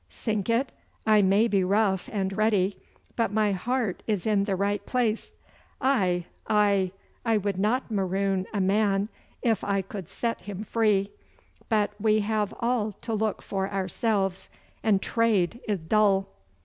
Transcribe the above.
Sink it, I may be rough and ready, but my heart is in the right place! Aye, aye! I would not maroon a man if I could set him free. But we have all to look for ourselves, and trade is dull.